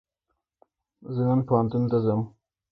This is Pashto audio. زه نن پوهنتون ته ځم